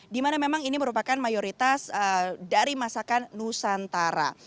dimana memang ini merupakan mayoritas dari masakan nusantara